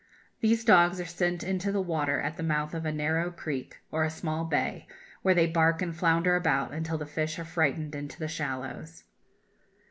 These dogs are sent into the water at the mouth of a narrow creek or a small bay, where they bark and flounder about until the fish are frightened into the shallows.